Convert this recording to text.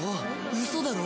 ウソだろ！？